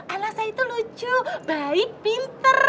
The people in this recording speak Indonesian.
anak saya itu lucu baik pinter